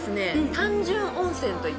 単純温泉？